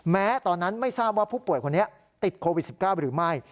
แม้ตอนนั้นไม่ทราบว่าผู้ป่วยคนนี้ติดโควิด๑๙หรือไม่